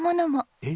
えっ？